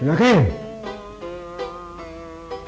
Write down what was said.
kang sampe agak sim surf